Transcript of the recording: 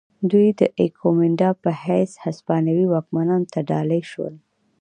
دوی د ایکومینډا په حیث هسپانوي واکمنانو ته ډالۍ شول.